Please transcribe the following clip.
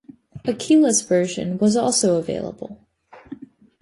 A keyless version was also available.